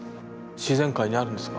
自然界にあるんですか？